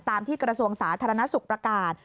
ตามที่กระทรวงศาสตร์ธนสุขประกาศ